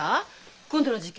今度の事件？